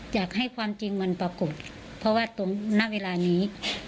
อยากให้ความจริงมันปรากฏเพราะว่าตรงณเวลานี้